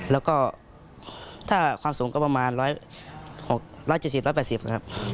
แล้วก็ถ้าความสูงก็ประมาณ๖๗๐๑๘๐นะครับ